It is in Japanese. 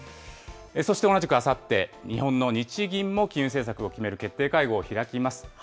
そして同じくあさって、日本の日銀も金融政策を決める決定会合を開きます。